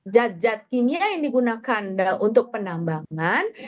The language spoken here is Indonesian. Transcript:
jat jat kimia yang digunakan untuk penambangan